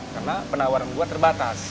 karena penawaran gua terbatas